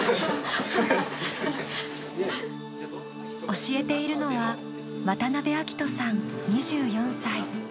教えているのは渡邊さん、２４歳。